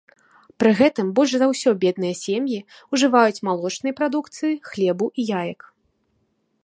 Пры гэтым больш за ўсё бедныя сем'і ўжываюць малочнай прадукцыі, хлебу і яек.